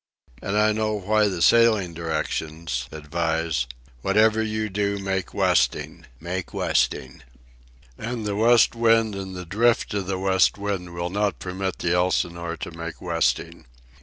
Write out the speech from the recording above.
And I know why the Sailing Directions advise: "Whatever you do, make westing! make westing!" And the West Wind and the drift of the West Wind will not permit the Elsinore to make westing.